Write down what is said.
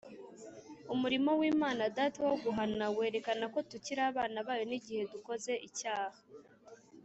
Umurimo w'Imana Data wo guhana werekana ko tukiri abana bayo n'igihe dukoze icyaha.